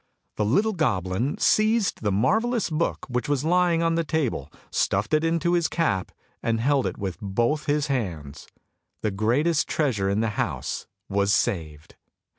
The little goblin seized the marvellous book which was lying on the table, stuffed it into his red cap, and held it with both his hands; the greatest treasure in the house was saved!